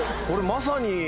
これまさに。